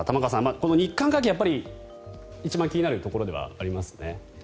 この日韓関係一番気になるところではありますね。